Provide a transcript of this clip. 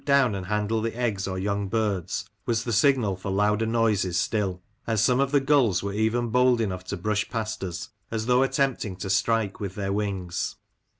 down and handle the eggs or young birds was the signal for louder noises still, and some of the gulls were even bold enough to brush past us, as though attempting to strike with their wings.